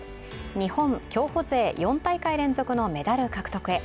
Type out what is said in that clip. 日本競歩勢４大会連続のメダル獲得へ。